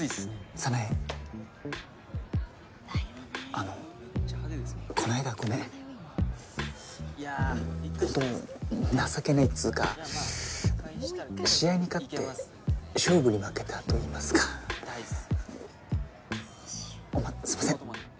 早苗あのこないだはごめんほんと情けないっつうか試合に勝って勝負に負けたといいますかすいません